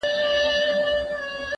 هغه څوک چي اوبه پاکوي روغ وي؟!